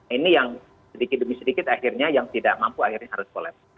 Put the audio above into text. ini yang sedikit demi sedikit akhirnya yang tidak mampu akhirnya harus kolap